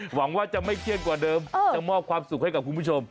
หวังว่าจะไม่เครียดกว่าเดิมจะมอบความสุขให้กับคุณผู้ชม